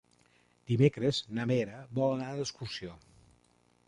Dimecres na Vera vol anar d'excursió.